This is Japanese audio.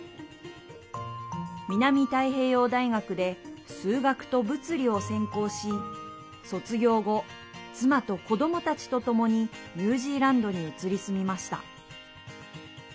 南太平洋大学で数学と物理を専攻し卒業後、妻と子どもたちとともにニュージーランドに移り住みました。